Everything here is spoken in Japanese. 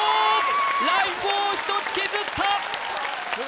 ライフを１つ削ったやった！